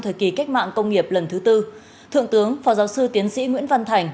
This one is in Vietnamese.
thời kỳ cách mạng công nghiệp lần thứ tư thượng tướng phó giáo sư tiến sĩ nguyễn văn thành